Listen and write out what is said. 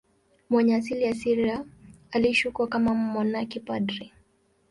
Mwenye asili ya Syria, aliishi huko kama mmonaki padri.